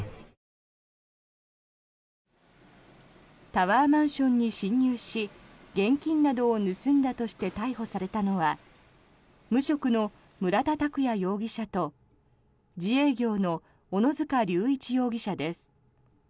タワーマンションに侵入し現金などを盗んだとして逮捕されたのは無職の村田拓也容疑者と自営業の小野塚隆一容疑者です。